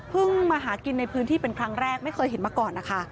มาหากินในพื้นที่เป็นครั้งแรกไม่เคยเห็นมาก่อนนะคะ